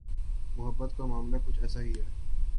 محبت کا معاملہ کچھ ایسا ہی ہے۔